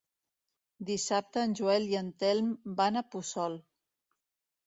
Dissabte en Joel i en Telm van a Puçol.